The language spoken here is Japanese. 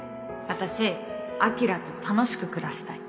私晶と楽しく暮らしたい